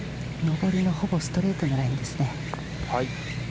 上りのほぼストレートのラインですね。